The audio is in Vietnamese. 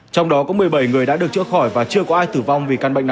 trong đó có một mươi bảy người đã được chữa khỏi và chưa có ai tử vong